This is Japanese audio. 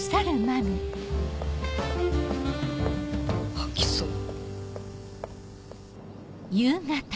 吐きそう。